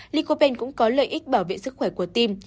licopen cũng có lợi ích bảo vệ sức khỏe của tim